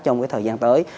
trong cái thời gian tới